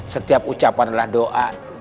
setiap ucapan adalah doa